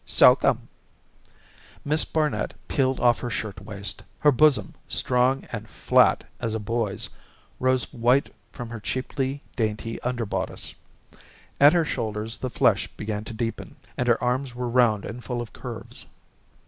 "Soak 'em." Miss Barnet peeled off her shirt waist. Her bosom, strong and flat as a boy's, rose white from her cheaply dainty under bodice; at her shoulders the flesh began to deepen, and her arms were round and full of curves.